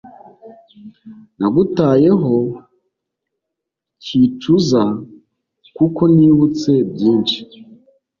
nagutayeho ncyicuza kuko nibutse byinshi